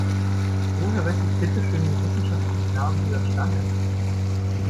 Woher weiß ich bitteschön den wissenschaftlichen Namen dieser Schlange?